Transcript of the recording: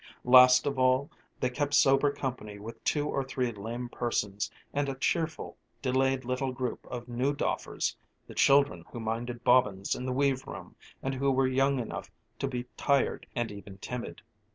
Last of all they kept sober company with two or three lame persons and a cheerful delayed little group of new doffers, the children who minded bobbins in the weave room and who were young enough to be tired and even timid.